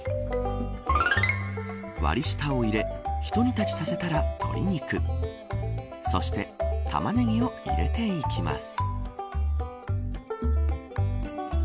割り下を入れひと煮立ちさせたら鶏肉そして玉ねぎを入れていきます。